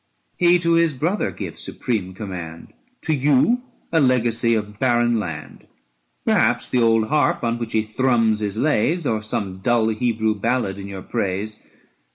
He to his brother gives supreme command, To you a legacy of barren land, Perhaps the old harp on which he thrums his lays Or some dull Hebrew ballad in your praise.